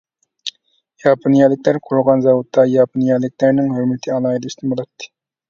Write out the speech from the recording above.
ياپونىيەلىكلەر قۇرغان زاۋۇتتا ياپونىيەلىكلەرنىڭ ھۆرمىتى ئالاھىدە ئۈستۈن بولاتتى.